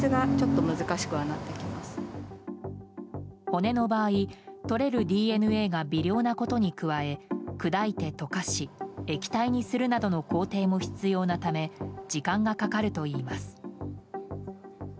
骨の場合、取れるＤＮＡが微量なことに加え砕いて溶かし、液体にするなどの工程も必要なため時間がかかるといいます。